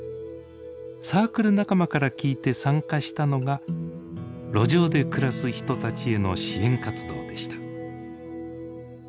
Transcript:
サークル仲間から聞いて参加したのが路上で暮らす人たちへの支援活動でした。